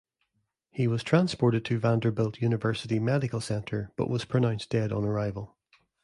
He was transported to Vanderbilt University Medical Center but was pronounced dead on arrival.